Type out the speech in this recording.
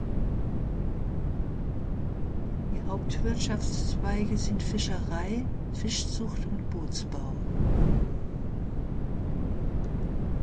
Die Hauptwirtschaftszweige sind Fischerei, Fischzucht und Bootsbau.